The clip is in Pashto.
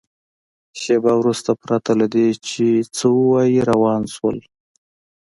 شېبه وروسته پرته له دې چې څه ووایي روان شول.